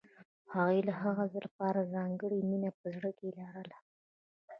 هغې د هغه لپاره ځانګړې مینه په زړه کې لرله